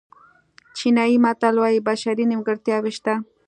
چینایي متل وایي بشري نیمګړتیاوې شته.